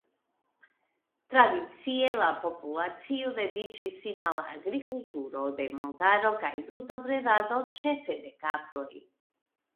Tradicie la populacio dediĉis sin al agrikulturo de montaro kaj brutobredado, ĉefe de kaproj.